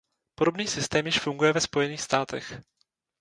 Podobný systém již funguje ve Spojených státech.